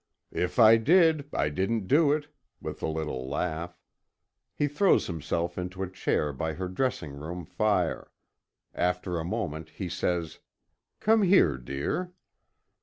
"If I did, I didn't do it," with a little laugh. He throws himself into a chair by her dressing room fire. After a moment he says: "Come here, dear."